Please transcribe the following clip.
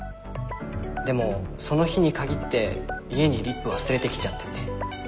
でもその日に限って家にリップ忘れてきちゃってて。